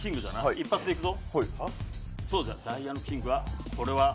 一発でいくぞ。